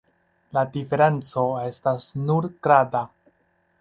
La diferenco estas nur grada.